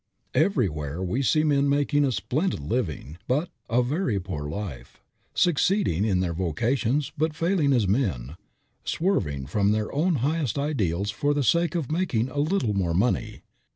Everywhere we see men making a splendid living, but a very poor life; succeeding in their vocations but failing as men, swerving from their own highest ideals for the sake of making a little more money.